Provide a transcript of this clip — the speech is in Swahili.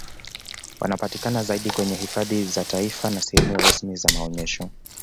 Wanapatikana zaidi kwenye hifadhi za taifa na sehemu rasmi za maonyesho